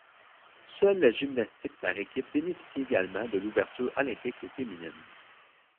Seule la gymnastique par équipes bénéficie également de l'ouverture olympique aux féminines.